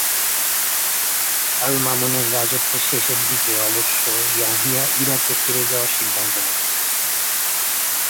আল-মা'মুনের রাজত্বের শেষের দিকে অবশ্য ইয়াহিয়া ইরাকে ফিরে যাওয়ার সিদ্ধান্ত নেন।